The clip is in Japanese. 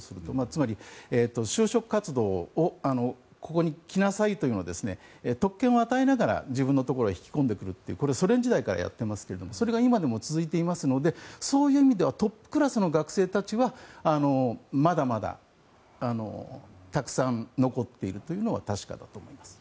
つまり就職活動をここに来なさいというのを特権を与えながら引き込むというソ連時代からやっていますけどそれが今でも続いていますのでそういう意味ではトップクラスの学生たちはまだまだたくさん残っているというのは確かだと思います。